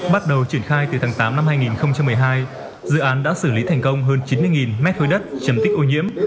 bắt đầu triển khai từ tháng tám năm hai nghìn một mươi hai dự án đã xử lý thành công hơn chín mươi mét khối đất chầm tích ô nhiễm